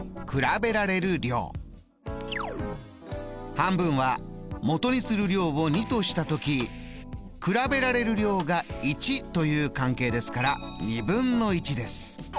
半分はもとにする量を２とした時比べられる量が１という関係ですからです。